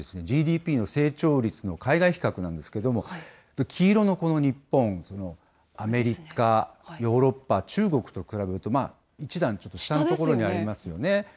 ＧＤＰの成長率の海外比較なんですけれども、黄色のこの日本、アメリカ、ヨーロッパ、中国と比べると、一段ちょっと下のところにありますよね。